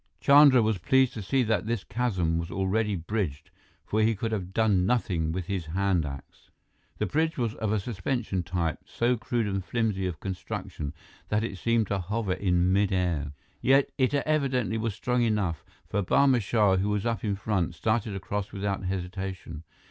Chandra was pleased to see that this chasm was already bridged, for he could have done nothing with his hand axe. The bridge was of a suspension type, so crude and flimsy of construction that it seemed to hover in midair. Yet it evidently was strong enough, for Barma Shah, who was up in front, started across without hesitation.